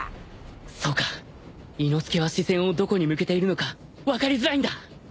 そうか伊之助は視線をどこに向けているのか分かりづらいんだ